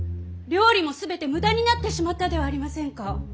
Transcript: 料理も全て無駄になってしまったではありませんか！